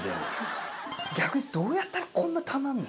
逆にどうやったらこんなたまんの？